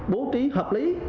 bố trí hợp lý